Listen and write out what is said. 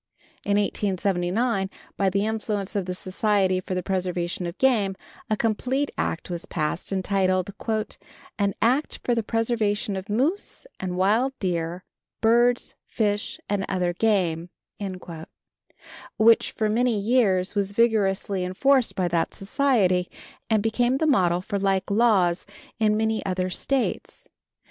In 1879, by the influence of the Society for the Preservation of Game, a complete act was passed, entitled "An Act for the Preservation of Moose and Wild Deer, Birds, Fish and other Game," which for many years was vigorously enforced by that Society, and became the model for like laws in many other States.